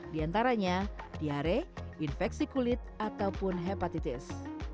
di antaranya diare infeksi kulit ataupun hepatitis